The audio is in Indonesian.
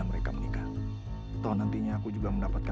masih lanjut vnd masa